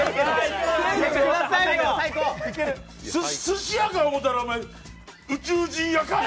すし屋かと思ったら宇宙人屋かい！